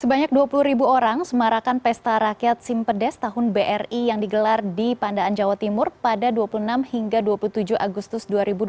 sebanyak dua puluh ribu orang semarakan pesta rakyat simpedes tahun bri yang digelar di pandaan jawa timur pada dua puluh enam hingga dua puluh tujuh agustus dua ribu dua puluh